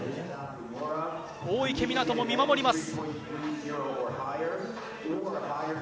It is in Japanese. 大池水杜も見守ります。